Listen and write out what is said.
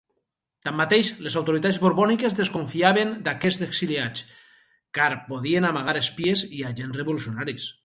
Tanmateix, les autoritats borbòniques desconfiaven d'aquests exiliats, car podien amagar espies i agents revolucionaris.